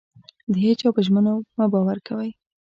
د هيچا په ژمنو مه باور مه کوئ.